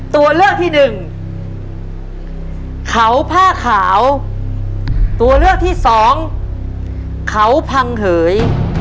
ตัวเลือกที่หนึ่งเขาผ้าขาวตัวเลือกที่สองเขาพังเหย